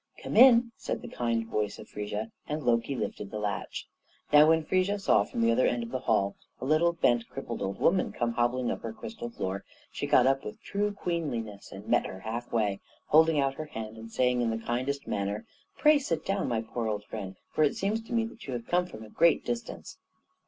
"Come in!" said the kind voice of Frigga, and Loki lifted the latch. Now when Frigga saw, from the other end of the hall, a little, bent, crippled old woman come hobbling up her crystal floor, she got up with true queenliness and met her halfway, holding out her hand and saying in the kindest manner, "Pray sit down, my poor old friend; for it seems to me that you have come from a great distance."